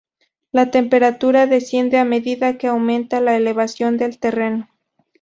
La temperatura desciende a medida que aumenta la elevación del terreno.